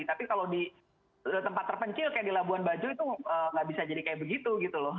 tapi kalau di tempat terpencil kayak di labuan bajo itu nggak bisa jadi kayak begitu gitu loh